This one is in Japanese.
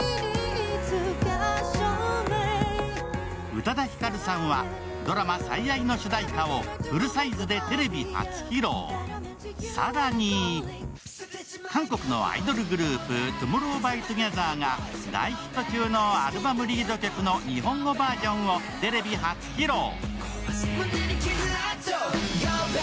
宇多田ヒカルさんはドラマ「最愛」の主題歌をフルサイズでテレビ初披露、更に韓国のアイドルグループ、ＴＯＭＯＲＲＯＷＸＴＯＧＥＴＨＥＲが大ヒット中のアルバムリード曲の日本語バージョンをテレビ初披露。